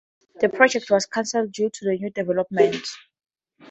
That project was cancelled due to the new developments.